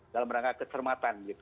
dalam rangka kesermatan gitu